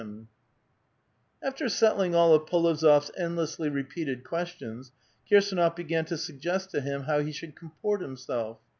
415 After settling all of P61ozor8 endlessly repeated questions, Kirs&nof began to suggest to him how he should comport himself.